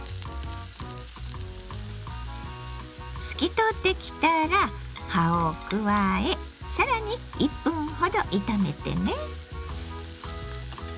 透き通ってきたら葉を加え更に１分ほど炒めてね。